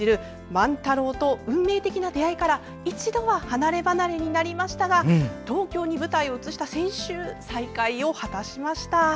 万太郎と運命的な出会いから一度は離ればなれになりましたが東京に舞台を移した先週再会を果たしました。